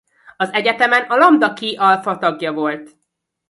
Az egyetemen a Lambda Chi Alpha tagja volt.